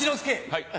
はい。